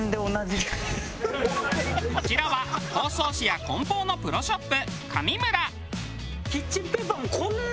こちらは包装紙や梱包のプロショップ。